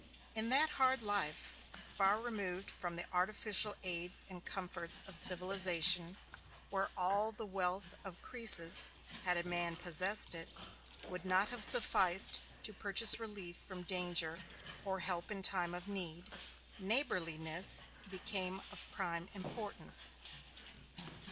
In that hard life, far removed from the artificial aids and comforts of civilization, where all the wealth of Croesus, had a man possessed it, would not have sufficed to purchase relief from danger, or help in time of need, neighborliness became of prime importance.